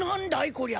こりゃ。